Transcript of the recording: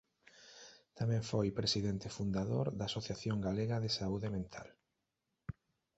Tamén foi presidente fundador da Asociación Galega de Saúde Mental.